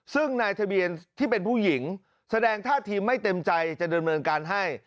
ซึ่งนายทะเบียนที่เป็นผู้หญิงแสดงท่าทีไม่เต็มใจจะเดินเนินการให้